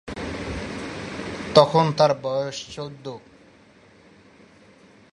তখন তাঁর বয়স চৌদ্দ।